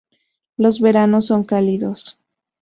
Los veranos son cálidos.